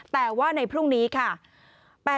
แต่ว่าในพรุ่งนี้ค่ะ